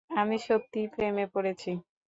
আমি সত্যিই প্রেমে পড়েছি।